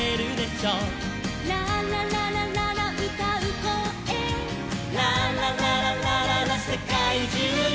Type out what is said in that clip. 「ララランランララうたうこえ」「ララランランラララせかいじゅうに」